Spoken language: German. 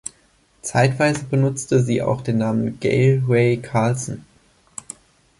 Zeitweise benutzte sie auch den Namen Gail Rae Carlson.